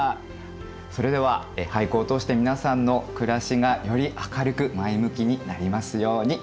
それでは俳句を通して皆さんの暮らしがより明るく前向きになりますように。